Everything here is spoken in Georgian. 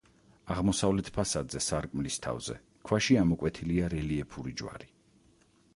აღმოსავლეთ ფასადზე, სარკმლის თავზე, ქვაში ამოკვეთილია რელიეფური ჯვარი.